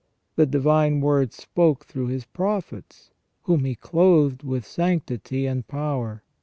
The Divine Word spoke through His prophets, whom He clothed with sanctity and power.